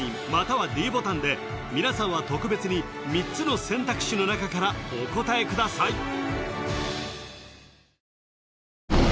ＬＩＮＥまたはｄボタンで皆さんは特別に３つの選択肢の中からお答えください